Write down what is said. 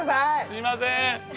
すいません！